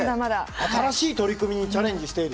新しい取り組みにチャレンジしている。